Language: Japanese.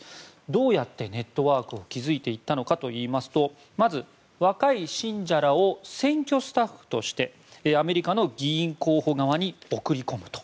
どうやってネットワークを築いていったのかといいますとまず若い信者らを選挙スタッフとしてアメリカの議員候補側に送り込むと。